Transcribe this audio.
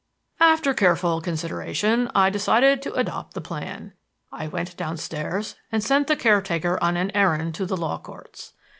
"After careful consideration, I decided to adopt the plan. I went downstairs and sent the caretaker on an errand to the Law Courts.